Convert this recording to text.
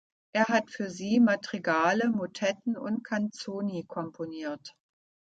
Er hat für sie Madrigale, Motetten und "canzoni" komponiert.